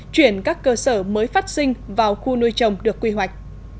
chuyển các cơ sở mới phát sinh vào khu nuôi trồng được quy hoạch